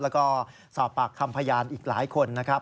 แล้วก็สอบปากคำพยานอีกหลายคนนะครับ